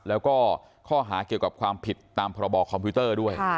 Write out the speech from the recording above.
แล้วก็ข้อหาเกี่ยวกับความผิดตามพรบคอมพิวเตอร์ด้วย